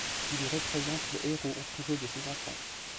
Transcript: Il y représente le héros entouré de ses enfants.